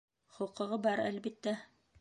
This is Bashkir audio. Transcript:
Хоҡуғы бар, әлбиттә.